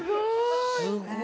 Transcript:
すごーい！